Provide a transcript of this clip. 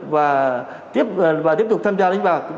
và tiếp tục tham gia đánh bạc